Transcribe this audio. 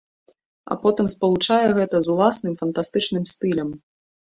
А потым спалучае гэта з уласным, фантастычным стылем.